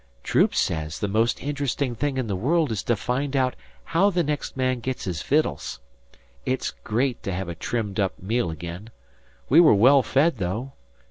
"Troop says the most interesting thing in the world is to find out how the next man gets his vittles. It's great to have a trimmed up meal again. We were well fed, though.